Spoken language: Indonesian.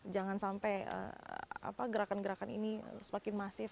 jangan sampai gerakan gerakan ini semakin masif